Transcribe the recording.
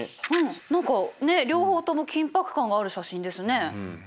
何かねっ両方とも緊迫感がある写真ですね。